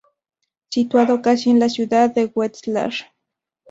Situado casi en la ciudad de Wetzlar.